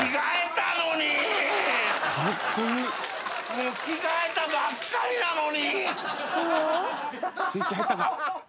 もう着替えたばっかりなのに！